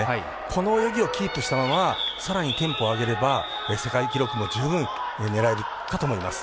この泳ぎをキープしたままさらにテンポを上げれば世界記録も十分狙えるかと思います。